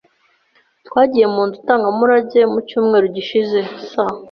Twagiye mu nzu ndangamurage mu cyumweru gishize. s